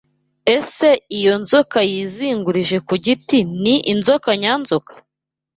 ESE iyo nzoka yizingurije ku giti ni inzoka nyanzoka?